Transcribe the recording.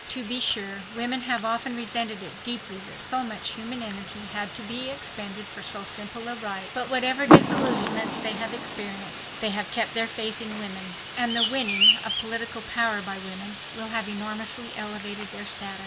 To be sure, women have often resented it deeply that so much human energy had to be expended for so simple a right. But whatever disillusionments they have experienced, they have kept their faith in women. And the winning of political power by women will have enormously elevated their status.